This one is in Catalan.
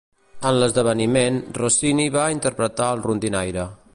En l'esdeveniment, Rossini va interpretar el rondinaire.